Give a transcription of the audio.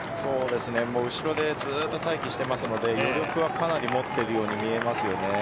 後ろでずっと待機しているので余力はかなりあるように見えます。